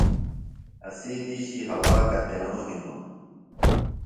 اسی دِیشی ہوا کتیݨُوۡ ہِنوۡ؟